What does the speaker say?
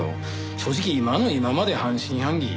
正直今の今まで半信半疑。